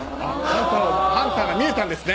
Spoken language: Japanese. ハンターが見えたんですね。